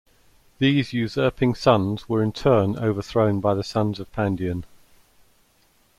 These usurping sons were in turn overthrown by the sons of Pandion.